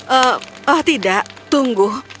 eh ah tidak tunggu